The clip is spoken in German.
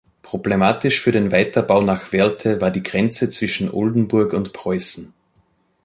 Problematisch für den Weiterbau nach Werlte war die Grenze zwischen Oldenburg und Preußen.